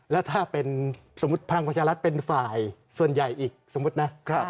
แล้วถ้าเป็นสมมุติพลังประชารัฐเป็นฝ่ายส่วนใหญ่อีกสมมุตินะ